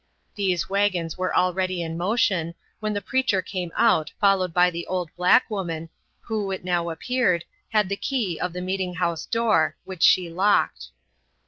These wagons were already in motion, when the preacher came out followed by the old black woman, who it now appeared, had the key of the meeting house door, which she locked.